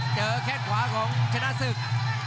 เจอแค้นขวาของชนะศึก